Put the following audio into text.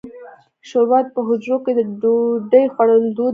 شوروا په حجرو کې د ډوډۍ خوړلو دود دی.